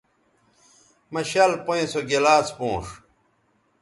مہ شَل پئیں سو گلاس پونݜ